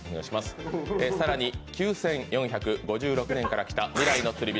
さらに、９４５６年から来た未来の釣り人。